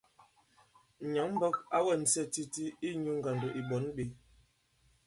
Nyǎŋ-mbɔk ǎ wɛŋsɛ titi inyū ŋgàndò ì ɓɔ̌n ɓē.